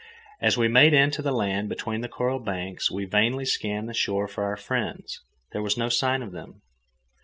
As we made in to the land between the coral banks, we vainly scanned the shore for our friends. There was no sign of them.